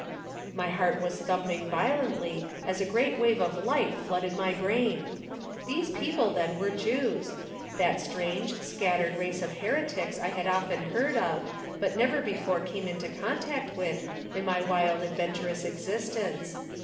My heart was thumping violently as a great wave of light flooded my brain. These people then were Jews that strange, scattered race of heretics I had often heard of, but never before come into contact with in my wild adventurous existence.